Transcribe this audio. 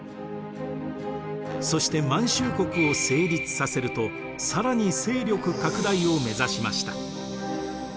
そして満州国を成立させると更に勢力拡大を目指しました。